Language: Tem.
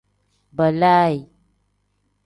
Balaayi.